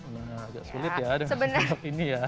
nah agak sulit ya dengan saus tomat ini ya